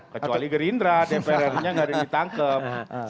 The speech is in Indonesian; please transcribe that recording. kecuali gerindra dprr nya gak ada yang ditangkep